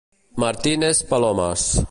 Martínez palomes.